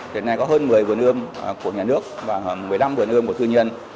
hiện nay có hơn một mươi vườn ươm của nhà nước và một mươi năm vườn ươm của thư nhân